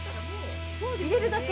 入れるだけ。